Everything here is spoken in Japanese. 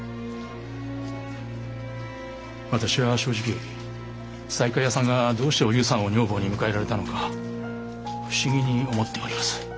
私は正直西海屋さんがどうしてお夕さんを女房に迎えられたのか不思議に思っております。